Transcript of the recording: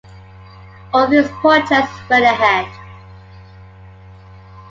All these projects went ahead.